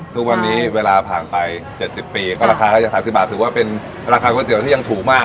ทุกวันนี้เวลาผ่านไป๗๐ปีก็ราคาก็ยัง๓๐บาทถือว่าเป็นราคาก๋วยเตี๋ยวที่ยังถูกมาก